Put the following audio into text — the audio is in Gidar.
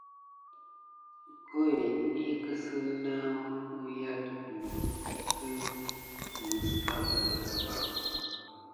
Əgohet ɗiyi kisine na nawuya deglukedi mis aba siga ba.